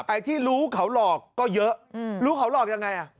ไอ้ที่รู้เขาหลอกก็เยอะรู้เขาหลอกยังไง